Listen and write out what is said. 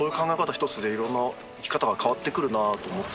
ひとつでいろんな生き方が変わってくるなと思って。